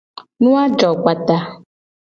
Nu a jo kpata.